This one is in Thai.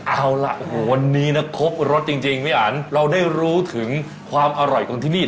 เอาล่ะโอ้โหวันนี้นะครบรสจริงพี่อันเราได้รู้ถึงความอร่อยของที่นี่